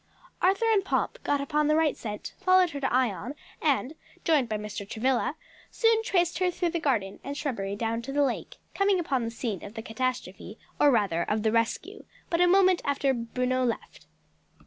Arthur and Pomp got upon the right scent, followed her to Ion, and joined by Mr. Travilla, soon traced her through the garden and shrubbery down to the lake, coming upon the scene of the catastrophe, or rather of the rescue, but a moment after Bruno left.